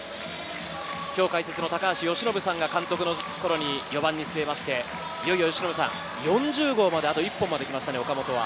解説の高橋由伸さんが監督の頃に４番に据えまして、いよいよ４０号まで、あと一歩まで来ましたね。